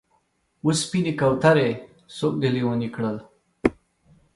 و سپینې کوترې! څوک دې لېونی کړل؟